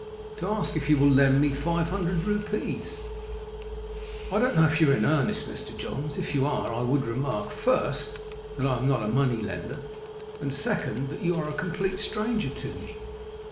"To ask if you will lend me five hundred rupees." "I don't know if you are in earnest, Mr. Johns. If you are, I would remark, first, that I am not a money lender; and, second, that you are a complete stranger to me."